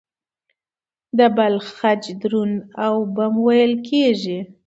د بل خج دروند او بم وېل کېږي.